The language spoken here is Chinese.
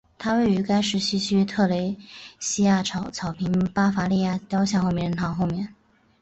它位于该市西区特蕾西娅草坪巴伐利亚雕像和名人堂后面。